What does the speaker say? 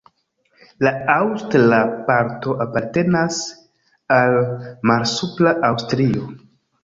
La aŭstra parto apartenas al Malsupra Aŭstrio.